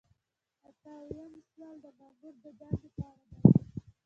اته اویایم سوال د مامور د دندې په اړه دی.